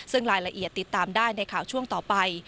ซึ่งรายละเอียดติดตามได้ในข่าวช่วงต่อไป